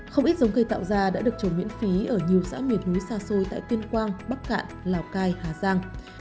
không ít giống cây tạo ra đã được trồng miễn phí ở nhiều xã miền núi xa xôi tại tuyên quang bắc cạn lào cai hà giang